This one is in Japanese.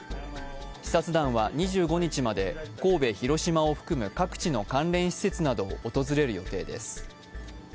視察団は２５日まで神戸・広島を含む各地の関連施設などを訪れる予定です。